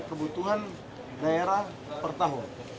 kebutuhan daerah per tahun